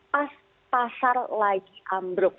pas pasar lagi ambruk